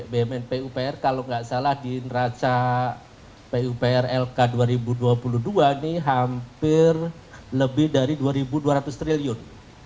bumn pupr kalau nggak salah di neraca pupr lk dua ribu dua puluh dua ini hampir lebih dari rp dua dua ratus triliun